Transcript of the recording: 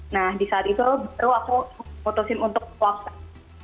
nah di saat itu baru aku memutuskan untuk swapsan